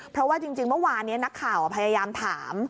เพราะว่าจริงเมื่อวานนี้นักข่าวพยายามถาม